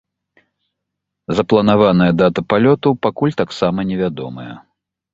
Запланаваная дата палёту пакуль таксама не вядомая.